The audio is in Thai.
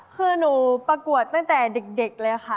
คือหนูประกวดตั้งแต่เด็กเลยค่ะ